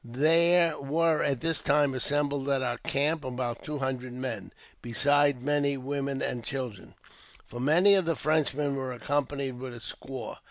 There were at this time assembled at our camp about two hundred men, besides many women and children — for many of the Frenchmen were accompanied with a squaw.